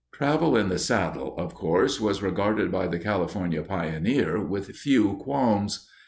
Travel in the saddle, of course, was regarded by the California pioneer with few qualms.